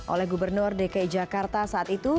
oleh gubernur dki jakarta saat itu